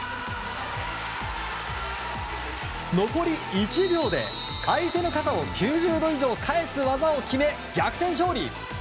残り１秒で、相手の肩を９０度以上返す技を決め逆転勝利！